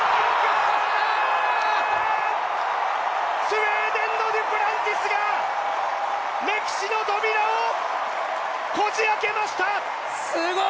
スウェーデンのデュプランティスが歴史の扉をこじ開けました！